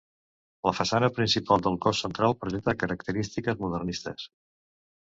La façana principal del cos central presenta característiques modernistes.